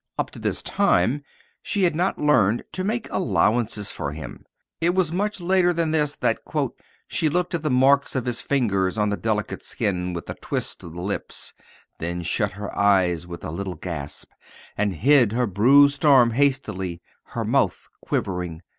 Up to this time she had not learned to make allowances for him. It was much later than this that "She looked at the marks of his fingers on the delicate skin with a twist of the lips, then shut her eyes with a little gasp and hid her bruised arm hastily, her mouth quivering.